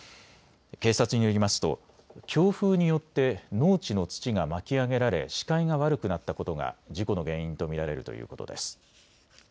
警察によりますと強風によって農地の土が巻き上げられ視界が悪くなったことが事故の原因と見られるということです。